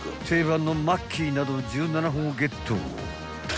［定番のマッキーなど１７本をゲット］